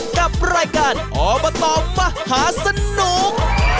กับรายการออกมาต่อมาหาสนุก